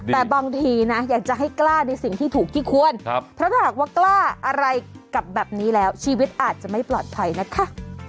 แต่บางทีนะอยากจะให้กล้าในสิ่งที่ถูกที่ควรเพราะถ้าหากว่ากล้าอะไรกับแบบนี้แล้วชีวิตอาจจะไม่ปลอดภัยนะคะ